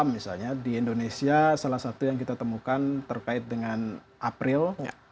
misalnya di indonesia salah satu yang kita temukan terkait dengan april